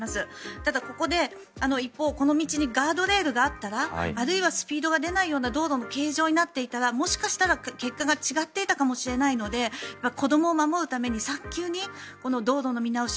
ただここで、一方この道にガードレールがあったらあるいはスピードが出ないような道路の形状になっていたらもしかしたら結果が違っていたかもしれないので子どもを守るために早急にこの道路の見直し